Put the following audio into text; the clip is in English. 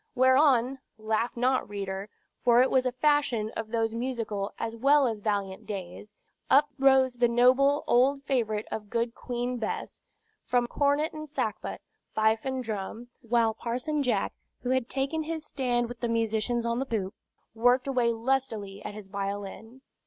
Whereon (laugh not, reader, for it was a fashion of those musical as well as valiant days) up rose that noble old favorite of good Queen Bess, from cornet and sackbut, fife and drum; while Parson Jack, who had taken his stand with the musicians on the poop, worked away lustily at his violin.